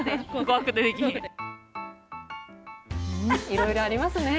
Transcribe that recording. いろいろありますね。